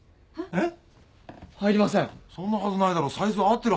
えっ？